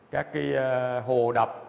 các cái hồ đập